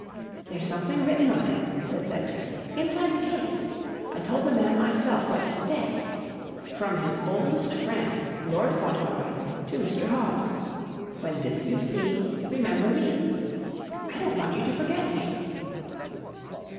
"There's something written on it," said Cedric, "inside the case. I told the man myself what to say. 'From his oldest friend, Lord Fauntleroy, to Mr. Hobbs. When this you see, remember me.' I don't want you to forget me."